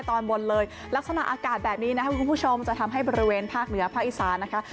ตอนบนเลยลักษณะอากาศแบบนี้นะครับคุณผู้ชมจะทำให้บริเวณภาคเหนือภาคอีสานนะคะ